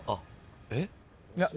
えっ？